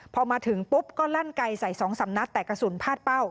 พอมาถึงปุ๊บก็ลั่นไกลใส่๒๓นัดแต่กระสุนพาดเป้า